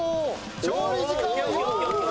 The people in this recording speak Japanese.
調理時間は４分！